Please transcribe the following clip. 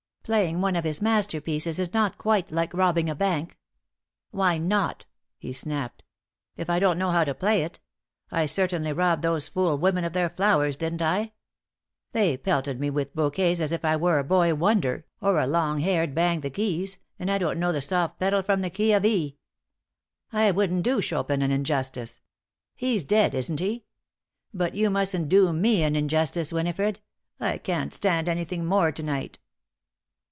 "Playing one of his masterpieces is not quite like robbing a bank." "Why not," he snapped, "if I don't know how to play it? I certainly robbed those fool women of their flowers, didn't I? They pelted me with bouquets as if I were a boy wonder or a long haired bang the keys, and I don't know the soft pedal from the key of E. I wouldn't do Chopin an injustice. He's dead, isn't he? But you mustn't do me an injustice, Winifred. I can't stand anything more to night."